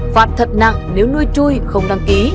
phạt thật nặng nếu nuôi chui không đăng ký